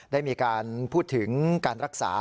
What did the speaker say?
ได้มีการพูดถึงการรักษา